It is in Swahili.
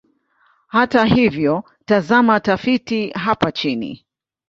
Hata hivyo, tazama tafiti hapa chini.